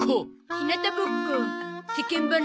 ひなたぼっこ世間話。